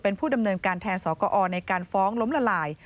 เป็นผู้ดำเนินการแทนสกอในการฟ้องล้มละลาย